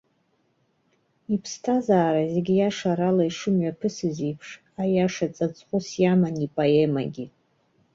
Иԥсҭазаара зегьы иашарала ишымҩаԥысыз еиԥш, аиаша ҵаҵӷәыс иаман ипоемагьы.